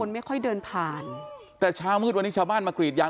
แต่เช้ามืดวันนี้วันนี้ชาวบ้านมากรีดยาง